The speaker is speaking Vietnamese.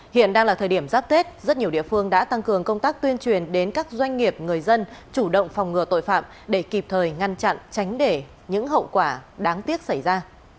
hiện đang là thời điểm giáp tết rất nhiều địa phương đã tăng cường công tác tuyên truyền đến các doanh nghiệp người dân chủ động phòng ngừa tội phạm để kịp thời ngăn chặn tránh để những hậu quả đáng tiếc xảy ra